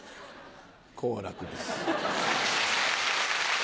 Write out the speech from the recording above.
好楽です。